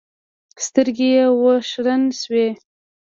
سترګې يې اوښلن شوې.